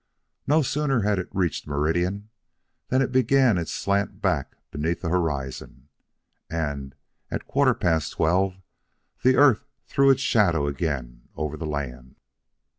No sooner had it reached meridian than it began its slant back beneath the horizon, and at quarter past twelve the earth threw its shadow again over the land.